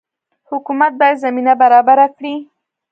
حکومت باید زمینه برابره کړي